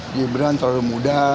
gibran terlalu muda